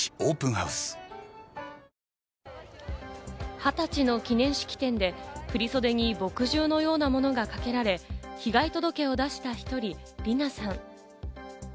「二十歳の記念式典」で振り袖に墨汁のようなものがかけられ、被害届を出した一人、りなさん。